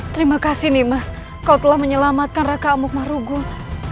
terima kasih nih mas kau telah menyelamatkan raka mukmarugun